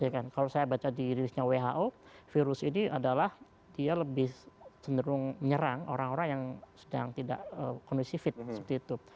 kalau saya baca di rilisnya who virus ini adalah dia lebih cenderung menyerang orang orang yang sedang tidak kondisi fit seperti itu